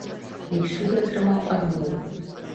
І ўсюды атрымаў адмовы.